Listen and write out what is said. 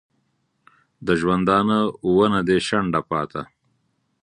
د ژوندانه ونه دي شنډه پاته